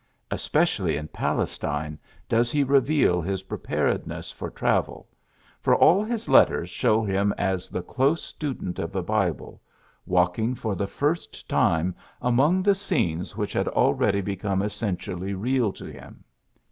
Espe cially in Palestine does he reveal his preparedness for travel; for all his let ters show him as the close student of the Bible, walking for the first time among the scenes which had already become es sentially real to him.